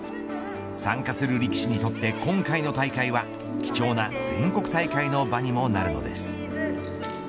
参加する力士にとって今回の大会は貴重な全国大会の場にもなるのです。